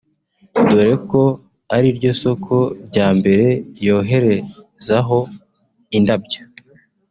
dore ko ari ryo soko rya mbere yoherezaho indabyo